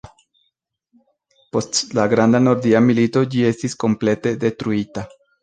Post la Granda Nordia Milito ĝi estis komplete detruita.